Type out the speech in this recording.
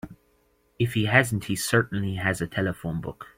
If he hasn't he certainly has a telephone book.